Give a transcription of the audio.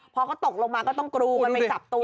พอเติบลงมาก็ต้องกลูมันไอจับตัว